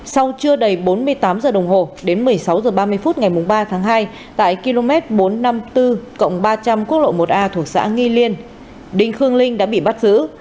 sau chưa đầy bốn mươi tám h đồng hồ đến một mươi sáu h ba mươi phút ngày ba tháng hai tại km bốn trăm năm mươi bốn ba trăm linh quốc lộ một a thuộc xã nghi liên đinh khương linh đã bị bắt giữ